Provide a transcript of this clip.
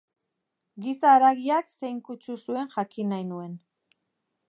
Giza haragiak zein kutsu zuen jakin nahi nuen.